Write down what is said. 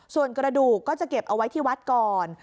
ส่วนกระดูกก็จะเก็บเอาไว้ที่วัดก่อน